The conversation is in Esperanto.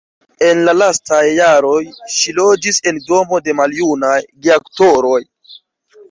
En la lastaj jaroj ŝi loĝis en domo de maljunaj geaktoroj.